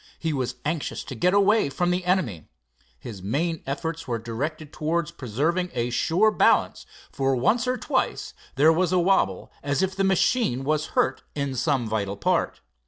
He was anxious to get away from the enemy. His main efforts were directed towards preserving a sure balance, for once or twice there was a wobble, as if the machine was hurt in some vital part.